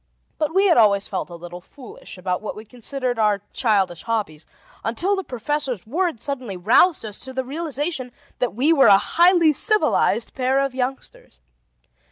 But we had always felt a little foolish about what we considered our childish hobbies, until the professor's words suddenly roused us to the realization that we were a highly civilized pair of youngsters.